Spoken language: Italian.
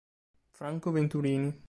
Franco Venturini